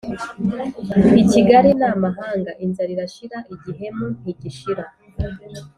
I Kigali ni amahanga, inzara irashira igihemu ntigishira